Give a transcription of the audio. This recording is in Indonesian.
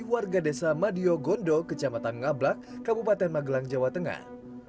warga desa madio gondo kecamatan ngablak kabupaten magelang jawa tengah